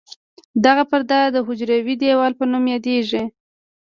دغه پرده د حجروي دیوال په نوم یادیږي.